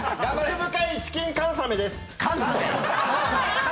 チキンカンサメです。